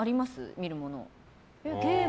見るもの。